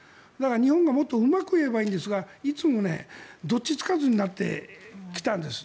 日本はもっとうまく言えばいいんですがいつもどっちつかずになってきたんです。